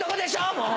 もう！